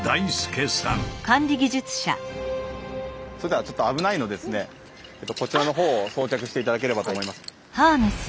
それではちょっと危ないのでこちらのほうを装着して頂ければと思います。